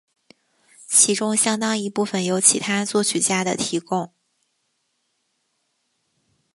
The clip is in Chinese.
其中相当一部分由其他作曲家的提供。